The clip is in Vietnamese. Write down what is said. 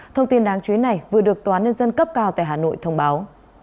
thông tin đáng chú ý này vừa được tòa án nhân dân cấp cao tại hà nội thông báo